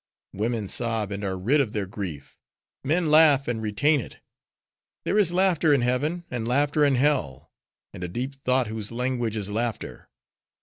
Women sob, and are rid of their grief: men laugh, and retain it. There is laughter in heaven, and laughter in hell. And a deep thought whose language is laughter.